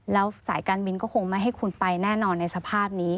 แล้วสายการบินก็คงไม่ให้คุณไปแน่นอนในสภาพนี้